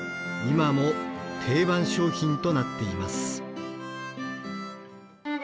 今も定番商品となっています。